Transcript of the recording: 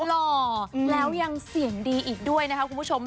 หล่อแล้วยังเสียงดีอีกด้วยนะคะคุณผู้ชม